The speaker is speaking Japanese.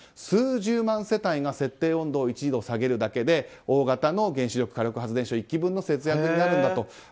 数十万世帯が設定温度を１度下げることで大型の原子力、火力発電所１基分の節約になるんだと。